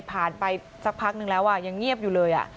ไปสักพักนึงแล้วยังเงียบอยู่เลย